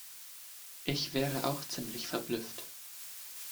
Ich wäre auch ziemlich verblüfft.